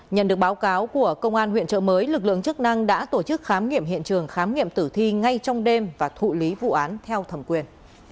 nhận được báo cáo của công an huyện trợ mới lực lượng chức năng đã tổ chức khám nghiệm hiện trường khám nghiệm tử thi ngay trong đêm và thụ lý vụ án theo thẩm quyền